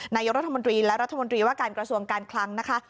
นายกรัฐมนตรีและรัฐมนตรีว่าการกระทรวงการคลังนะคะ